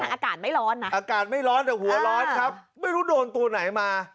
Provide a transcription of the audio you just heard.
อากาศไม่ร้อนนะอากาศไม่ร้อนแต่หัวร้อนครับไม่รู้โดนตัวไหนมา